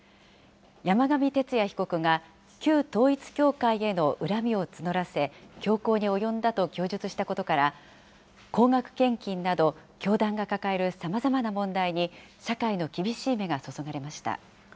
山上徹也被告が旧統一教会への恨みを募らせ、凶行に及んだと供述したことから、高額献金など、教団が抱えるさまざまな問題に社会の厳しい目が注がれました。